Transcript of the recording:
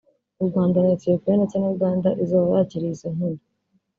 Urwanda na Ethiopia ndetse na Uganda izoba yakiriye izo nkino